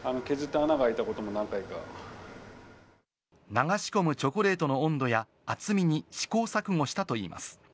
流し込むチョコレートの温度や厚みに試行錯誤したといいます。